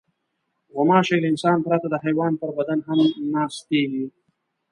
غوماشې له انسان پرته د حیوان پر بدن هم ناستېږي.